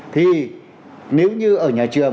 thì nếu như ở nhà trường